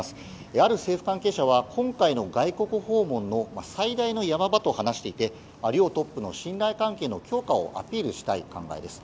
ある政府関係者は今回の外国訪問の最大の山場と話していて両トップの信頼関係の強化をアピールしたい考えです。